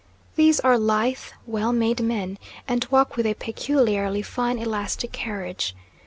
These are lithe, well made men, and walk with a peculiarly fine, elastic carriage.